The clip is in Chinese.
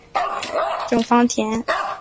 郑芳田。